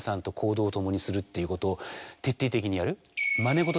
っていうことを徹底的にやる。